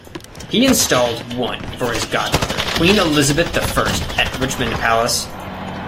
He installed one for his godmother Queen Elizabeth the First at Richmond Palace.